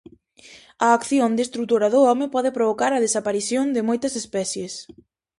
A acción destrutora do home pode provocar a desaparición de moitas especies.